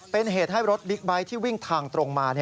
เป็นเหตุให้รถบิ๊กไบท์ที่วิ่งทางตรงมา